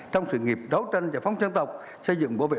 trong sự nghiệp đấu tranh và phong trang tộc xây dựng bảo vệ